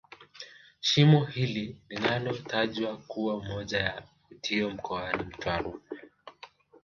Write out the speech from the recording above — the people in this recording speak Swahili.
Shimo hili linalotajwa kuwa moja ya vivutio mkoani Mtwara